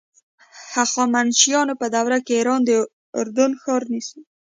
هخامنشیانو په دوره کې ایران اردن ښار نیسي.